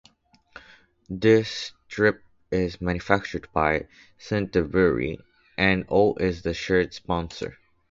The strip is manufactured by Canterbury and O is the shirt sponsor.